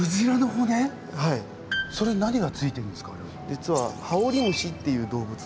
実はハオリムシっていう動物で。